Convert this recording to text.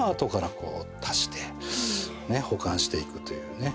足して保管していくというね。